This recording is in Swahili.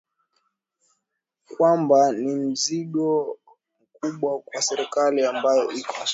kwamba ni mzigo mkubwa kwa serikali ambayo iko